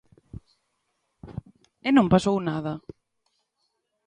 ¡E non pasou nada!